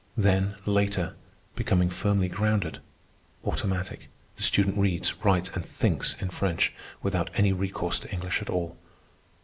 Then later, becoming firmly grounded, automatic, the student reads, writes, and thinks in French, without any recourse to English at all.